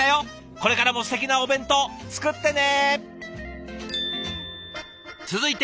これからもすてきなお弁当作ってね！